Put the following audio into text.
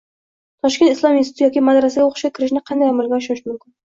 Toshkent islom instituti yoki madrasaga o‘qishga kirishni qanday amalga oshirish mumkin?